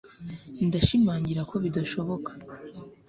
ndashimangira ko bidashoboka